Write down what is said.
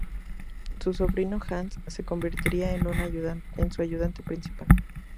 Su sobrino Hans se convertiría en su ayudante principal.